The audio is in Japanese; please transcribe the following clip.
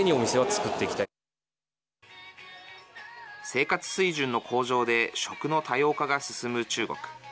生活水準の向上で食の多様化が進む中国。